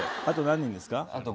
あと何人ですか？